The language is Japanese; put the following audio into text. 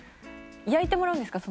焼いてもらうんですか？